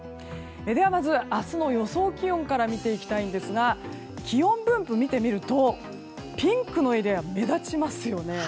ではまず、明日の予想気温から見ていきたいんですが気温分布を見てみるとピンクのエリアが目立ちますね。